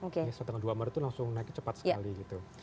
setelah tanggal dua maret itu langsung naik cepat sekali